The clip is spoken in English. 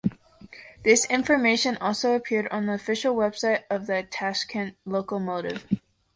This information also appeared on the official website of the Tashkent Lokomotiv.